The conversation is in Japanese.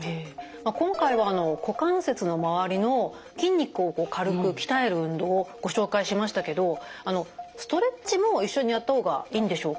今回は股関節の周りの筋肉を軽く鍛える運動をご紹介しましたけどストレッチも一緒にやった方がいいんでしょうか？